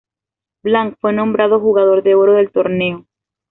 Blanc fue nombrado Jugador de Oro del torneo.